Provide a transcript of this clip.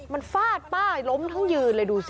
มันฟาดป้าล้มทั้งยืนเลยดูสิ